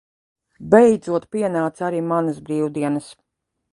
Beidzot pienāca arī manas brīvdienas.